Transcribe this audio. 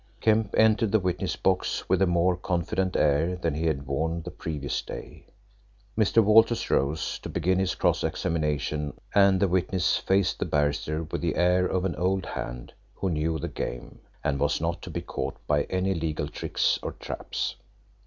Kemp entered the witness box with a more confident air than he had worn the previous day. Mr. Walters rose to begin his cross examination, and the witness faced the barrister with the air of an old hand who knew the game, and was not to be caught by any legal tricks or traps.